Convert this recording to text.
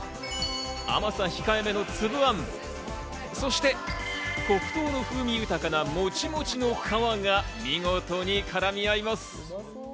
甘さ控え目のつぶあん、そして黒糖の風味豊かなモチモチの皮が見事に絡み合います。